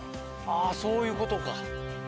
あそういうことか。